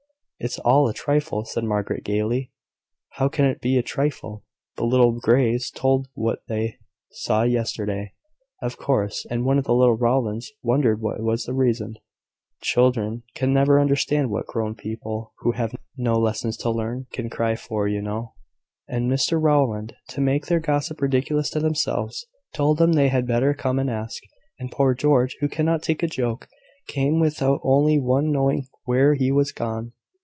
"It is all a trifle," said Margaret, gaily. "How can it be a trifle?" "The little Greys told what they saw yesterday, of course; and one of the little Rowlands wondered what was the reason; (children can never understand what grown people, who have no lessons to learn, can cry for, you know); and Mr Rowland, to make their gossip ridiculous to themselves, told them they had better come and ask; and poor George, who cannot take a joke, came without any one knowing where he was gone.